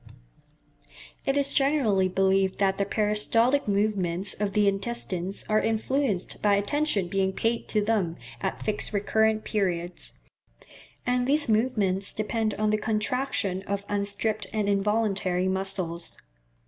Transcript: It is generally believed that the peristaltic movements of the intestines are influenced by attention being paid to them at fixed recurrent periods; and these movements depend on the contraction of unstriped and involuntary muscles.